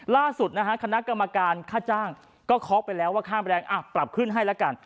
ล่าสุดนะฮะคณะกรรมการค่าจ้างก็เคาะไปแล้วว่าค่าแรงปรับขึ้นให้แล้วกัน